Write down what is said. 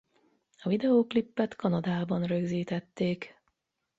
A videóklipet Kanadában rögzítették.